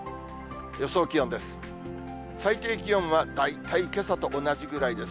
予想気温です。